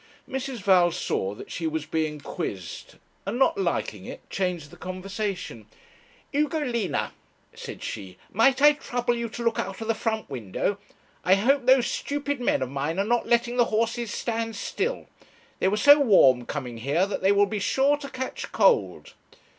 Mrs. Val saw that she was being quizzed, and, not liking it, changed the conversation. 'Ugolina,' said she, 'might I trouble you to look out of the front window? I hope those stupid men of mine are not letting the horses stand still. They were so warm coming here, that they will be sure to catch cold.'